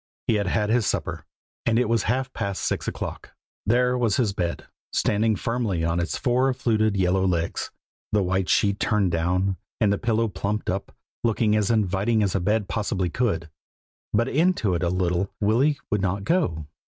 He had had his supper and it was half past six o'clock. There was his bed, standing firmly on its four fluted yellow legs, the white sheet turned down, and the pillow plumped up, looking as inviting as a bed possibly could; but into it little Willy would not go.